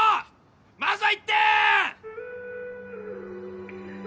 まずは１点！